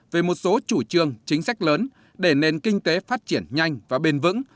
về một số chủ trương chính sách lớn để nền kinh tế phát triển nhanh và bền vững